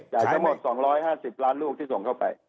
ทั้งหมด๒๕๐ล้านลูกที่ส่งเข้าไป